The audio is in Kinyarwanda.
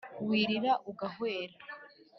wirira ugahwera